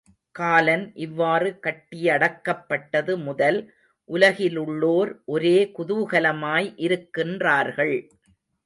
காலன் இவ்வாறு கட்டியடக்கப் பட்டது முதல் உலகிலுள்ளோர் ஒரே குதுகலமாய் இருக்கின்றார்கள்.